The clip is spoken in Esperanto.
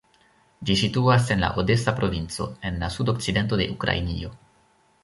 Ĝi situas en la odesa provinco, en la sudokcidento de Ukrainio.